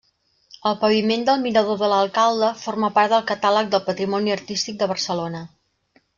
El paviment del Mirador de l'Alcalde forma part del Catàleg del Patrimoni Artístic de Barcelona.